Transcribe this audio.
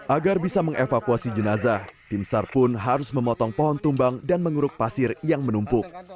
agar bisa mengevakuasi jenazah tim sar pun harus memotong pohon tumbang dan menguruk pasir yang menumpuk